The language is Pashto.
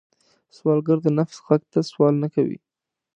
سوالګر د نفس غږ ته سوال نه کوي